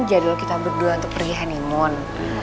jadwal kita berdua untuk pergi honeymoon